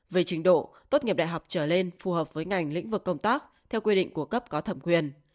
về trình độ tốt nghiệp đại học trở lên phù hợp với ngành lĩnh vực công tác theo quy định của cấp có thẩm quyền